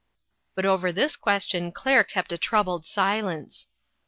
" But over this question Claire kept a troubled silence.